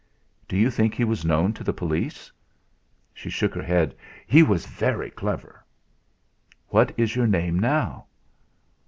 "Do you think he was known to the police?" She shook her head. "He was very clever." "What is your name now?"